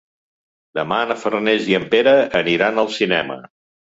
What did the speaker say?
Demà na Farners i en Pere aniran al cinema.